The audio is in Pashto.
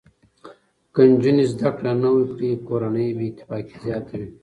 که نجونې زده کړه نه وکړي، کورنۍ بې اتفاقي زیاته وي.